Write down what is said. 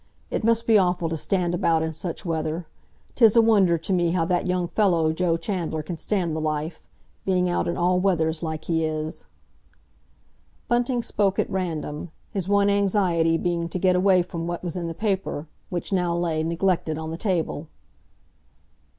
It must be awful to stand about in such weather; 'tis a wonder to me how that young fellow, Joe Chandler, can stand the life—being out in all weathers like he is." Bunting spoke at random, his one anxiety being to get away from what was in the paper, which now lay, neglected, on the table.